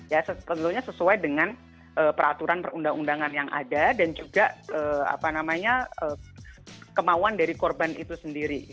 ya tentunya sesuai dengan peraturan perundang undangan yang ada dan juga kemauan dari korban itu sendiri